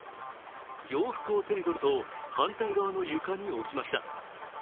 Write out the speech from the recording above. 洋服を手に取ると、反対側の床に置きました。